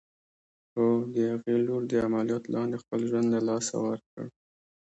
هو! د هغې لور د عمليات لاندې خپل ژوند له لاسه ورکړ.